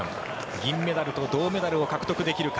銀メダルと銅メダルを獲得できるか。